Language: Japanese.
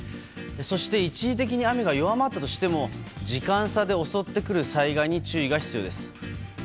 そして一時的に雨が弱まったとしても時間差で襲ってくる災害に注意が必要です。